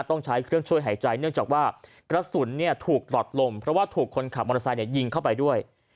ต้องใช้เครื่องช่วยหายใจเนื่องจากว่ากระสุนถูกหลอดลมเพราะว่าถูกคนขับมอเตอร์ไซค์ยิงเข้าไปด้วย